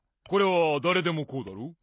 これはだれでもこうだろ。